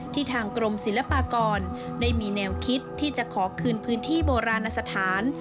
ทางกรมศิลปากรได้มีแนวคิดที่จะขอคืนพื้นที่โบราณสถาน